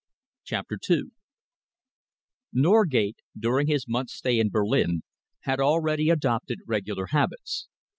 CHAPTER II Norgate, during his month's stay in Berlin, had already adopted regular habits.